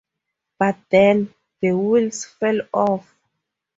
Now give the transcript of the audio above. But then, the wheels fell off.